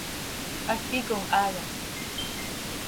¿Háqui com haaya?